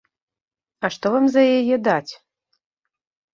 А што вам за яе даць?